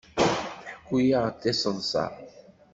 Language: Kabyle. Tḥekku-aɣ-d tiseḍsa.